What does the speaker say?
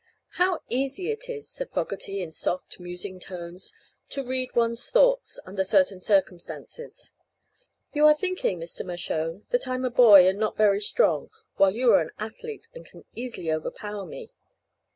"How easy it is," said Fogerty, in soft, musing tones, "to read one's thoughts under certain circumstances. You are thinking, Mr. Mershone, that I'm a boy, and not very strong, while you are an athlete and can easily overpower me.